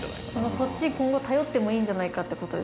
そっち今後頼ってもいいんじゃないかってことですね。